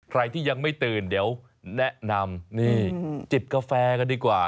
ใครที่ยังไม่ตื่นเดี๋ยวแนะนำนี่จิบกาแฟกันดีกว่า